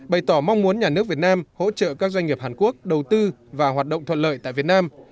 bày tỏ mong muốn nhà nước việt nam hỗ trợ các doanh nghiệp hàn quốc đầu tư và hoạt động thuận lợi tại việt nam